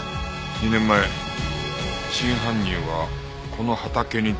２年前真犯人はこの畑に出入りしていた。